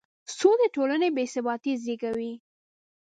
سود د ټولنې بېثباتي زېږوي.